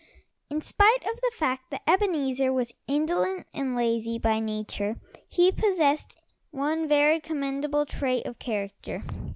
In spite of the fact that Ebenezer was indolent and lazy by nature, he possessed one very commendable trait of character.